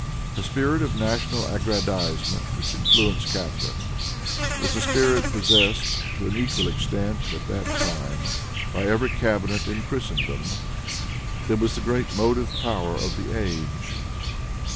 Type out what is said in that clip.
The spirit of national aggrandizement which influenced Catharine, was a spirit possessed, to an equal extent, at that time, by every cabinet in Christendom. It was the great motive power of the age.